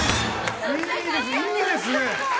いいですね！